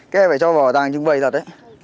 cái này phải cho vào ràng trưng bày thật đấy